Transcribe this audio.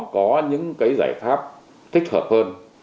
có những giải pháp thích hợp hơn